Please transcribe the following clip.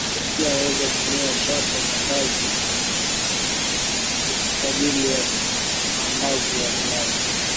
Pia waweza tumia Chapa mandashi kwaajili ya maandazi ya viazi